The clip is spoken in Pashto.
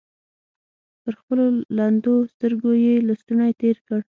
پر خپلو لندو سترګو يې لستوڼۍ تېر کړ.